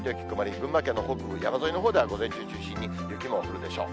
群馬県の北部、山沿いのほうでは午前中中心に雪も降るでしょう。